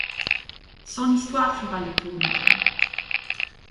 Son histoire fera le tour d'Internet.